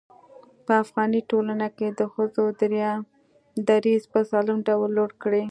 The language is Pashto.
په افغاني ټولنه کې د ښځو دريځ په سالم ډول لوړ کړي.